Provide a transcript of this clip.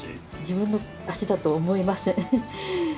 自分の脚だとは思えません。